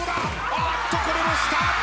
あっとこれも下！